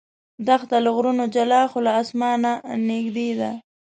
دښته له غرونو جلا خو له اسمانه نږدې ده.